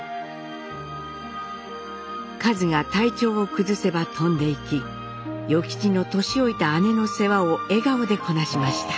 かづが体調を崩せば飛んでいき与吉の年老いた姉の世話を笑顔でこなしました。